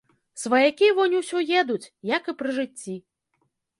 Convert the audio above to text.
Сваякі вунь усё едуць, як і пры жыцці.